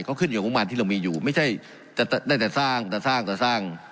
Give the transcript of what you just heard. เขาขึ้นอยู่กับมันที่เรามีอยู่ไม่ใช่จะได้แต่สร้างแต่สร้างแต่สร้าง